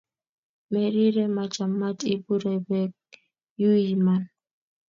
MerireMachamat ibiree beek yuui, Iman?